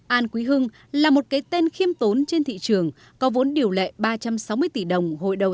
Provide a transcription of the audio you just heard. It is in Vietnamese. an quý hương là một cái tên khiêm tốn trên thị trường có vốn điều lệ ba trăm sáu mươi tỷ đồng